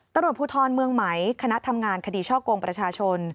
ตำรวจภูทรเมืองไหมคณะทำงานคดีช่อกงประชาชน